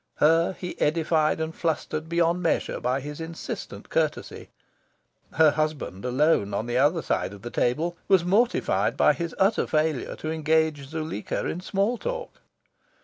Her he edified and flustered beyond measure by his insistent courtesy. Her husband, alone on the other side of the table, was mortified by his utter failure to engage Zuleika in small talk.